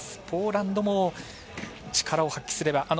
ポーランドも力を発揮すれば。